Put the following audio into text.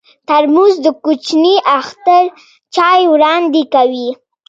ترموز د کوچني اختر چای وړاندې کوي.